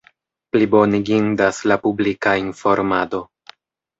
Plibonigindas la publika informado.